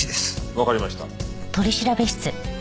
わかりました。